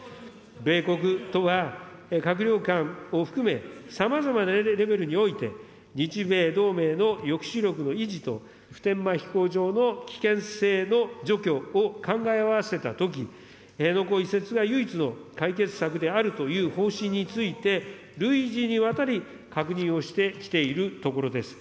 米国とは閣僚間を含め、さまざまなレベルにおいて日米同盟の抑止力の維持と、普天間飛行場の危険性の除去を考え合わせたとき、辺野古移設が唯一の解決策であるという方針について、累次にわたり確認をしてきているところです。